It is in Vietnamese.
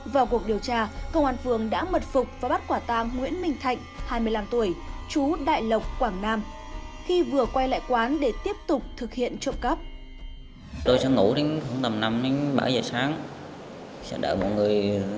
vào cuộc điều tra công an phường đã mật phục và bắt quả tam nguyễn minh thạnh hai mươi năm tuổi